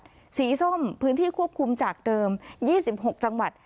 โดยสิงห์ดสีส้มพื้นที่ควบครุมจากเดิม๒๖จังหวัด